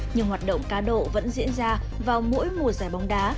nhưng hoạt động cá độ vẫn diễn ra vào mỗi mùa giải bóng đá